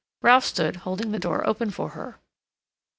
Ralph stood holding the door open for her.